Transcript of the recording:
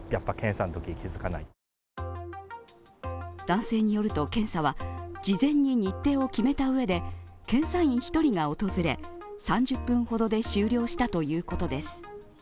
男性によると、検査は事前に日程を決めたうえで、検査員１人が訪れ、３０分ほどで終了したということです。